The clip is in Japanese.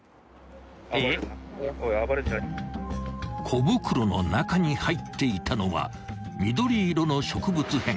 ［小袋の中に入っていたのは緑色の植物片］